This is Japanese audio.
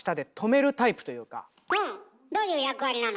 どういう役割なの？